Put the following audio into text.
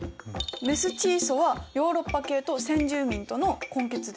メスチーソはヨーロッパ系と先住民との混血です。